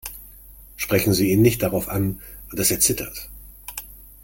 Sprechen Sie ihn nicht darauf an, dass er zittert.